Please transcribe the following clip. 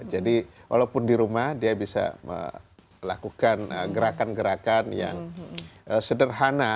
jadi walaupun di rumah dia bisa melakukan gerakan gerakan yang sederhana